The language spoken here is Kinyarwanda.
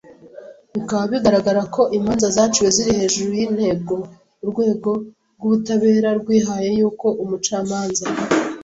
Bikaba bigaragara ko imanza zaciwe ziri hejuru y intego urwego rw ubutabera rwihaye y uko umucamanza